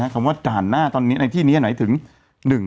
ผมว่าด่านหน้าในที่นี้ไหนถึง